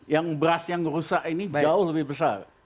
yang beras yang rusak ini jauh lebih besar